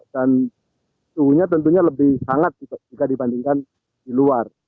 dan suhunya tentunya lebih hangat juga dibandingkan di luar